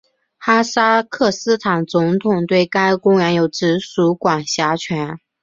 哈萨克斯坦总统对该公园有直属管辖权。